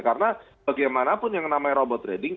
karena bagaimanapun yang namanya robot trading